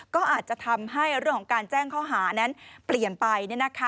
ก็อาจจะทำให้เรื่องของการแจ้งข้อหานั้นเปลี่ยนไป